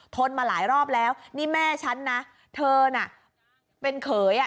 นมาหลายรอบแล้วนี่แม่ฉันนะเธอน่ะเป็นเขยอ่ะ